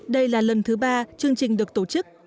đây là lần thứ ba chương trình được tổ chức